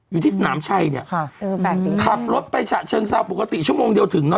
อยู่ที่สนามชัยเนี่ยค่ะขับรถไปฉะเชิงเซาปกติชั่วโมงเดียวถึงเนอ